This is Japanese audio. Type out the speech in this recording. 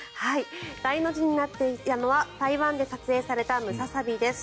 大の字になっていたのは台湾で撮影されたムササビです。